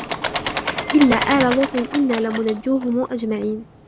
إلا آل لوط إنا لمنجوهم أجمعين